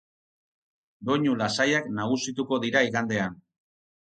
Doinu lasaiak nagusituko dira igandean.